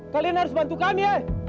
kalian harus bantu kami